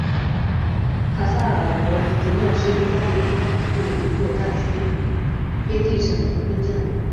卡萨尔博迪诺是意大利阿布鲁佐大区基耶蒂省的一个镇。